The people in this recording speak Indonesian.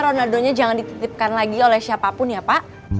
pokoknya ronadonya jangan dititipkan lagi oleh siapapun ya pak